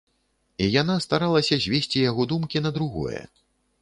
І яна старалася звесці яго думкі на другое.